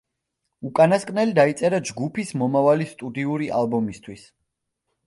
უკანასკნელი დაიწერა ჯგუფის მომავალი სტუდიური ალბომისთვის.